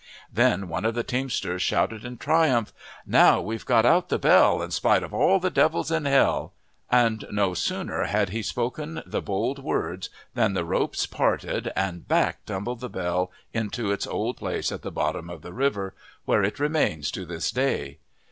Then one of the teamsters shouted in triumph, "Now we've got out the bell, in spite of all the devils in hell," and no sooner had he spoken the bold words than the ropes parted, and back tumbled the bell to its old place at the bottom of the river, where it remains to this day.